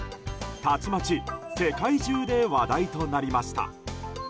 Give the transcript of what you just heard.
たちまち世界中で話題となりました。